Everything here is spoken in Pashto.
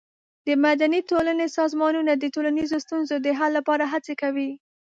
د مدني ټولنې سازمانونه د ټولنیزو ستونزو د حل لپاره هڅه کوي.